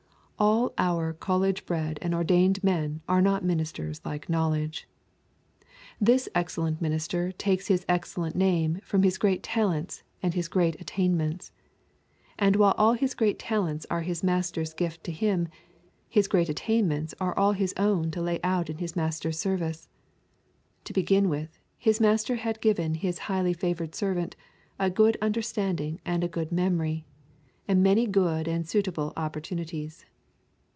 All our college bred and ordained men are not ministers like Knowledge. This excellent minister takes his excellent name from his great talents and his great attainments. And while all his great talents are his Master's gift to him, his great attainments are all his own to lay out in his Master's service. To begin with, his Master had given His highly favoured servant a good understanding and a good memory, and many good and suitable opportunities.